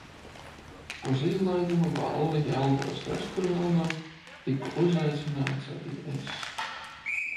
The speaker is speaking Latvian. Uz izlaiduma balli Jelgavas restorānā tiku uzaicināts arī es.